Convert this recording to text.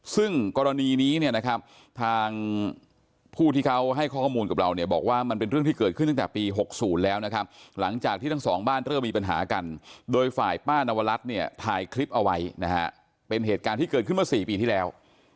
ซึ่งกรณีนี้เนี่ยนะครับทางผู้ที่เขาให้ข้อมูลกับเราเนี่ยบอกว่ามันเป็นเรื่องที่เกิดขึ้นตั้งแต่ปี๖๐แล้วนะครับหลังจากที่ทั้งสองบ้านเริ่มมีปัญหากันโดยฝ่ายป้านวรัฐเนี่ยถ่ายคลิปเอาไว้นะฮะเป็นเหตุการณ์ที่เกิดขึ้นเมื่อ๔ปีที่แล้ว